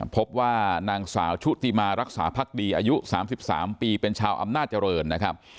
พบว่านางสาวชุติมารักษาพรรคดีอายุ๓๓ปีเป็นชาวอำนาจริง